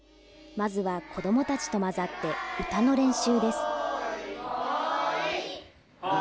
まずは子どもたちと混ざって歌の練習です。